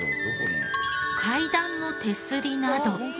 階段の手すりなど。